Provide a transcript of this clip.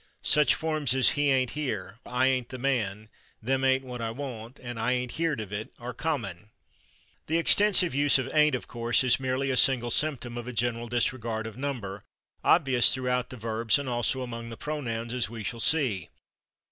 Such forms as "he /ain't/ here," "I /ain't/ the man," "them /ain't/ what I want" and "I /ain't/ heerd of it" are common. This extensive use of /ain't/, of course, is merely a single symptom of a general disregard of number, obvious throughout the verbs, and also among the pronouns, as we shall see.